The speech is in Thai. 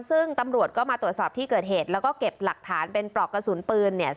ซึ่งตำรวจก็มาตรวจสอบที่เกิดเหตุแล้วก็เก็บหลักฐานเป็นปลอกกระสุนปืนเนี่ย